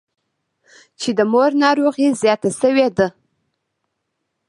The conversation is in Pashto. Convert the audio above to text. چې د مور ناروغي زياته سوې ده.